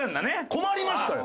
困りましたよ！